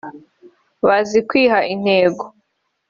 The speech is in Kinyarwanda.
bazi kwiha intego